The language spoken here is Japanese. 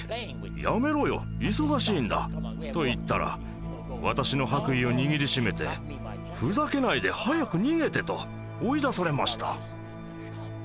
「やめろよ忙しいんだ」と言ったら私の白衣を握りしめて「ふざけないで早く逃げて！」と追い出されました。